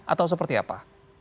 atau seperti apa